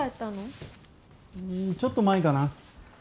ちょっと前かな。